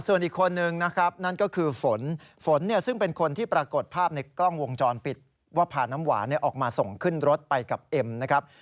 ส่วนอีกคนนึงนะครับนั่นก็คือฝนฝนเนี่ยซึ่งเป็นคนที่ปรากฏภาพในกล้องวงจรปิดว่าพาน้ำหวานออกมาส่งขึ้นรถไปกับเอ็มนะครับ